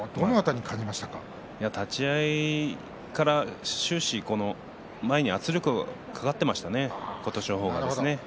立ち合いから終始、前に圧力がかかってましたね琴勝峰は。